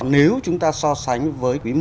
nếu chúng ta so sánh với quý một